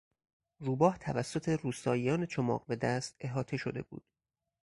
روباه توسط روستاییان چماق به دست احاطه شده بود.